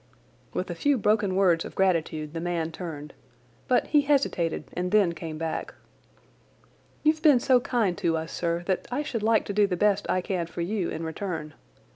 With a few broken words of gratitude the man turned, but he hesitated and then came back. "You've been so kind to us, sir, that I should like to do the best I can for you in return.